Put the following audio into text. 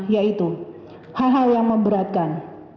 yaitu hal hal yang memberatkan